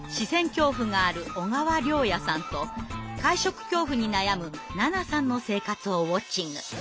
恐怖がある小川椋也さんと会食恐怖に悩むななさんの生活をウォッチング。